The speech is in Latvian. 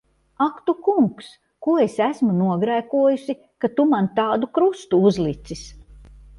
Ak tu Kungs! Ko es esmu nogrēkojusi, ka tu man tādu krustu uzlicis!